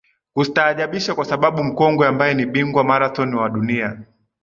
kustaajabisha kwa sababu mkongwe ambaye ni bingwa marathon wa dunia